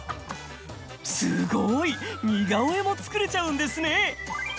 すごい！似顔絵も作れちゃうんですね！